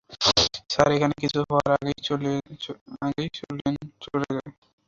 Sir, এখানে কিছু হওয়ার আগেই চলেন চলে যাই।